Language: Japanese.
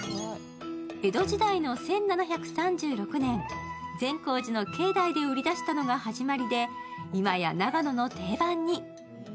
江戸時代の１７３６年、善光寺の境内で売り出したのが始まりで、今や長野の定番に。